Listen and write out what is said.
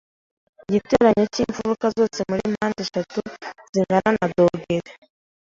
Igiteranyo cyimfuruka zose muri mpandeshatu zingana na dogere .